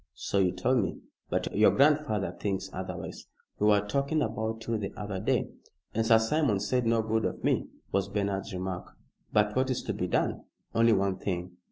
"So you told me. But your grandfather thinks otherwise. We were talking about you the other day." "And Sir Simon said no good of me," was Bernard's remark. "But what is to be done?" "Only one thing.